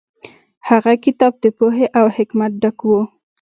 هغه کتاب د پوهې او حکمت ډک و.